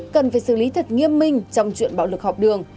cần phải xử lý thật nghiêm minh trong chuyện bạo lực học đường